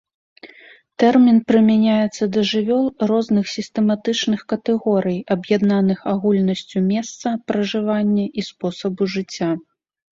Тэрмін прымяняецца да жывёл розных сістэматычных катэгорый, аб'яднаных агульнасцю месца пражывання і спосабу жыцця.